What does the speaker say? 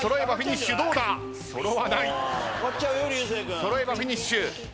揃えばフィニッシュ。